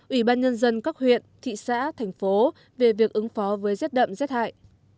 ủy ban nhân dân các huyện thị xã thành phố về việc ứng phó với rét đậm rét hại